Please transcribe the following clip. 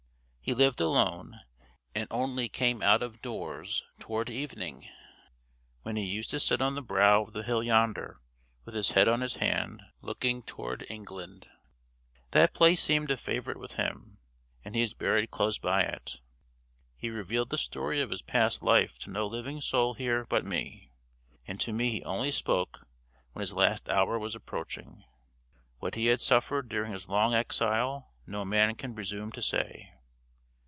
He lived alone, and only came out of doors toward evening, when he used to sit on the brow of the hill yonder, with his head on his hand, looking toward England. That place seemed a favorite with him, and he is buried close by it. He revealed the story of his past life to no living soul here but me, and to me he only spoke when his last hour was approaching. What he had suffered during his long exile no man can presume to say.